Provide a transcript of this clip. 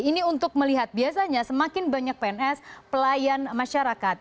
ini untuk melihat biasanya semakin banyak pns pelayan masyarakat